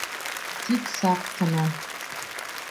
Тик саҡ ҡына...